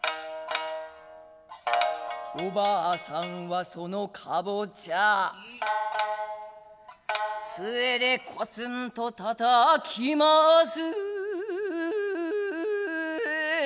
おばあさんはそのカボチャつえでコツンとたたきます